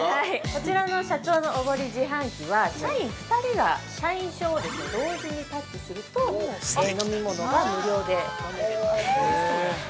◆こちらの社長のおごり自販機は、社員２人が社員証を同時にタッチすると、飲み物が無料で飲めるんです。